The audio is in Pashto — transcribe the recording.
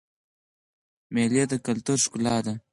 مېلې د کلتور ښکلا ده.